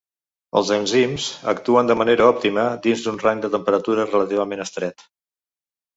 Els enzims actuen de manera òptima dins un rang de temperatura relativament estret.